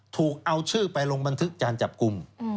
ถูกเอาชื่อไปลงบันทึกการจับกลุ่ม